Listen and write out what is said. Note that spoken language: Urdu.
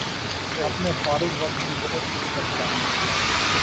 اپنے فارغ وقت میں بہت کچھ کرتا ہوں